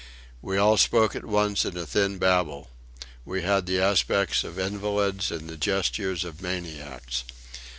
We all spoke at once in a thin babble; we had the aspect of invalids and the gestures of maniacs.